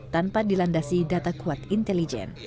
tanpa dilandasi data kuat intelijen